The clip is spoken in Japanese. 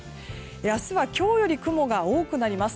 明日は今日より雲が多くなります。